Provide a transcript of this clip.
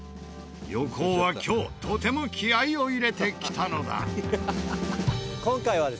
横尾は今日とても気合を入れてきたのだ。